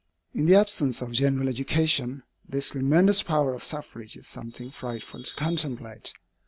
In the absence of general education, this tremendous power of suffrage is something frightful to contemplate.